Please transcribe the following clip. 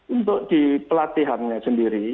untuk di pelatihannya sendiri